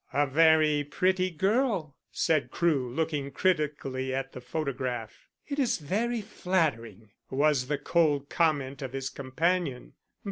"A very pretty girl," said Crewe, looking critically at the photograph. "It is very flattering," was the cold comment of his companion.